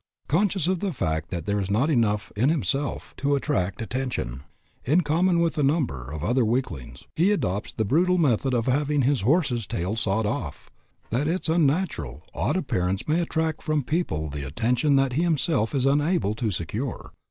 Conscious of the fact that there is not enough in himself to attract attention, in common with a number of other weaklings, he adopts the brutal method of having his horse's tail sawed off, that its unnatural, odd appearance may attract from people the attention that he of himself is unable to secure.